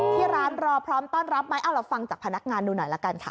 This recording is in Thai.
ที่ร้านรอพร้อมต้อนรับไหมเอาเราฟังจากพนักงานดูหน่อยละกันค่ะ